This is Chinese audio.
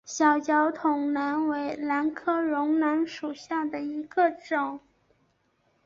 小脚筒兰为兰科绒兰属下的一个种。